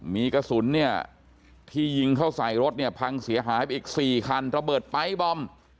มีกระสุนเนี่ยที่ยิงเข้าใส่รถเนี่ยพังเสียหายไปอีก๔คันระเบิดไป๊บอม